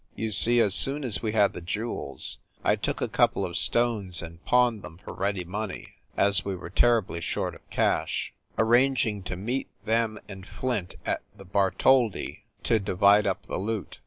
You see, as soon as we had the jewels, I took a couple of stones and pawned them for ready money as we were terribly short of cash arranging to meet them and Flint at the Bartholdi to divide up the loot.